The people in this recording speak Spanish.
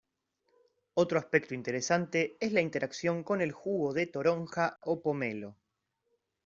Otro aspecto interesante es la interacción con el jugo de toronja o pomelo.